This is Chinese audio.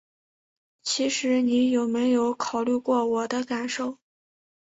其实你有没有考虑过我的感受？